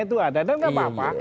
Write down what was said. itu ada dan nggak apa apa